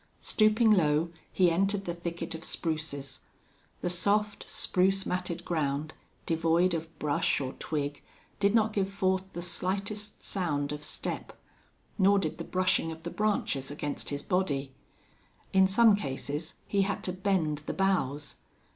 Stooping low, he entered the thicket of spruces. The soft, spruce matted ground, devoid of brush or twig, did not give forth the slightest sound of step, nor did the brushing of the branches against his body. In some cases he had to bend the boughs.